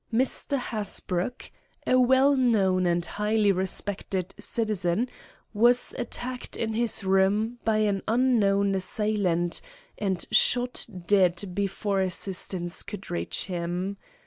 Mr. Hasbrouck, a well known and highly respected citizen, was attacked in his room by an unknown assailant, and shot dead before assistance could reach him.